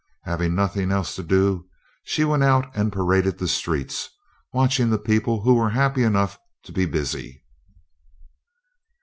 Having nothing else to do, she went out and paraded the streets, watching the people who were happy enough to be busy.